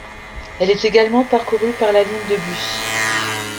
Elle est également parcourue par la ligne de bus.